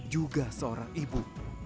juga seorang ibu